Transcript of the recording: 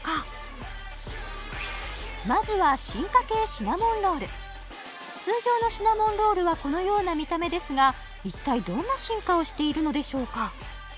シナモンロール通常のシナモンロールはこのような見た目ですが一体どんな進化をしているのでしょうか？